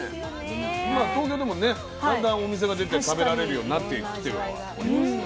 今東京でもねだんだんお店が出て食べられるようになってきてはおりますが。